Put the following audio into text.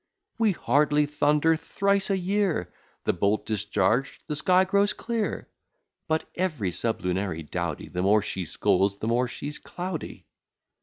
We hardly thunder thrice a year; The bolt discharged, the sky grows clear; But every sublunary dowdy, The more she scolds, the more she's cloudy.